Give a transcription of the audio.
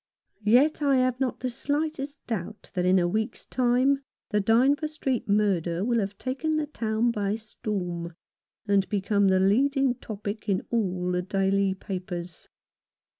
Yet I have not the slightest doubt that in a week's time the Dynevor Street murder will have taken the town by storm, and become the leading topic in all the daily papers.